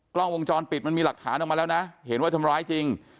กล้องวงจรปิดมันมีหลักฐานออกมาแล้วนะเห็นว่าทำร้ายจริง